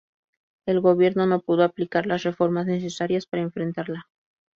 El gobierno no pudo aplicar las reformas necesarias para enfrentarla.